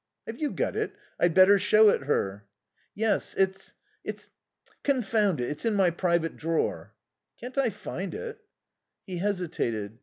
"Have you got it? I'd better show it her." "Yes. It's it's confound it, it's in my private drawer." "Can't I find it?" He hesitated.